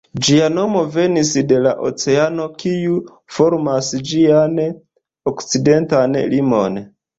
Ĝia nomo venis de la oceano, kiu formas ĝian okcidentan limon.